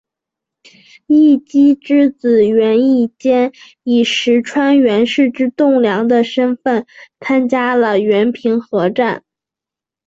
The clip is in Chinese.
义基之子源义兼以石川源氏之栋梁的身份参加了源平合战。